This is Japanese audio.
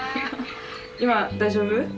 今大丈夫？